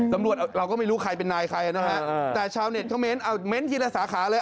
ตำรวจเราก็ไม่รู้ใครเป็นนายใครนะฮะแต่ชาวเน็ตเขาเน้นเอาเม้นทีละสาขาเลย